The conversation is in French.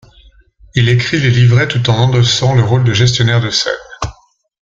Il écrit les livrets tout en endossant le rôle de gestionnaire de scène.